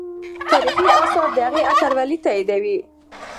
تاریخي آثار د هغې اتلولي تاییدوي.